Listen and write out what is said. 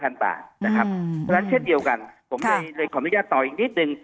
เพราะฉะนั้นเช่นเดียวกันผมเลยขออนุญาตต่ออีกนิดนึง